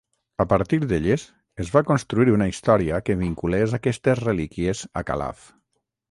A partir d'elles, es va construir una història que vinculés aquestes relíquies a Calaf.